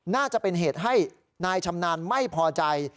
น่าจะเป็นเหตุให้นายชำนาญไม่พอใจ